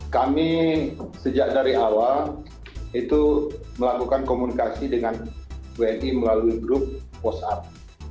kami sejak dari awal itu melakukan komunikasi dengan wni melalui grup whatsapp